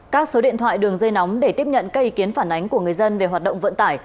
các số điện thoại đường dây nóng để tiếp nhận các ý kiến phản ánh của người dân về hoạt động vận tải